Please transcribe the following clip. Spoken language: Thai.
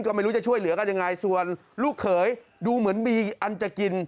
ก็ไม่รู้จะช่วยเหลือกันยังไงส่วนลูกเขยดูเหมือนมีอันจะกิน